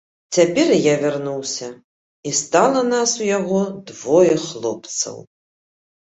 Цяпер і я вярнуўся, і стала нас у яго двое хлопцаў.